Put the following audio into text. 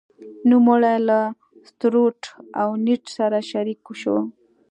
نوموړی له ستروټ او نیډ سره شریک شو.